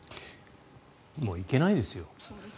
もう行けないですよ。